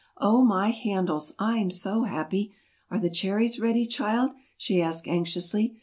"Oh, my handles! I'm so happy! Are the cherries ready, child?" she asked, anxiously.